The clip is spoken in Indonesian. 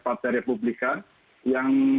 partai republikan yang